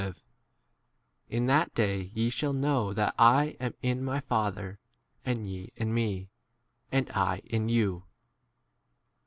"At that day ye shall know that I am in my Father, and ye in me, and I in you."